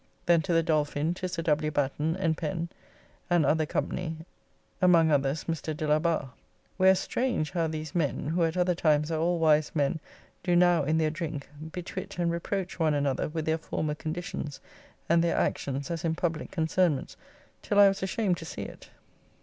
Then to the Dolphin to Sir W. Batten, and Pen, and other company; among others Mr. Delabar; where strange how these men, who at other times are all wise men, do now, in their drink, betwitt and reproach one another with their former conditions, and their actions as in public concernments, till I was ashamed to see it.